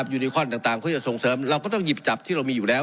ยูนิคอนต่างเพื่อจะส่งเสริมเราก็ต้องหยิบจับที่เรามีอยู่แล้ว